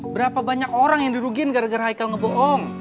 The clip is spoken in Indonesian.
berapa banyak orang yang dirugin gara gara haikal ngebohong